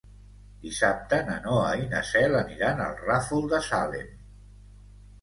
Dissabte na Noa i na Cel aniran al Ràfol de Salem.